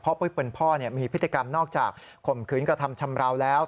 เพราะผู้เป็นพ่อมีพฤติกรรมนอกจากข่มขืนกระทำชำราวแล้ว